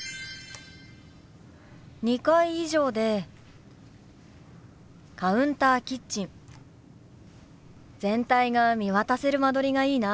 ２階以上でカウンターキッチン全体が見渡せる間取りがいいな。